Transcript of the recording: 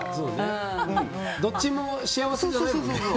どっちも幸せじゃないもんね。